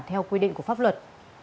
theo quy định của pháp luật